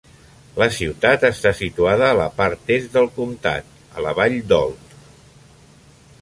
La ciutat està situada a la part est del comtat, a la Vall d'Olt.